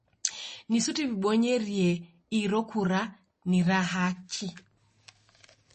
Ni suti w'ibonyerie iro kura ni ra hachi.